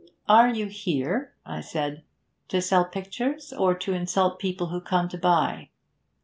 "Are you here," I said, "to sell pictures, or to insult people who come to buy?"